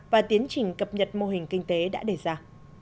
và tiến trình cập nhật mô hình kinh tế đã đề ra